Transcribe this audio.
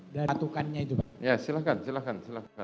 silahkan silahkan silahkan